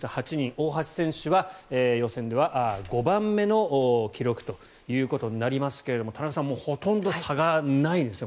大橋選手は予選では５番目の記録ということになりますが田中さんほとんど差がないですね。